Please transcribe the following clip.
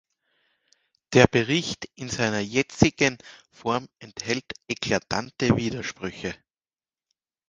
Der Bericht in seiner jetzigen Form enthält eklatante Widersprüche.